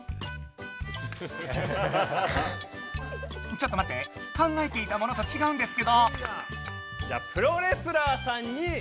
ちょっとまって考えていたものとちがうんですけど。